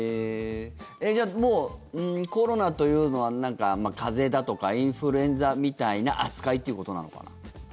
じゃあもうコロナというのは風邪だとかインフルエンザみたいな扱いということなのかな？